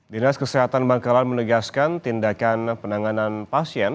dinas kesehatan bangkalan menegaskan tindakan penanganan pasien